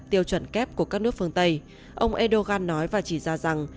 tiêu chuẩn kép của các nước phương tây ông erdogan nói và chỉ ra rằng